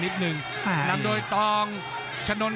ภูตวรรณสิทธิ์บุญมีน้ำเงิน